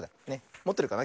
もってるかな？